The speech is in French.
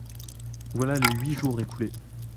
Voilà les huit jours écoulés.